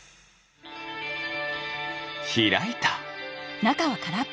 ひらいた。